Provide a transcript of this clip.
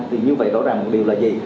thì như vậy rõ ràng một điều là gì